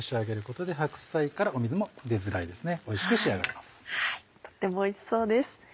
とってもおいしそうです。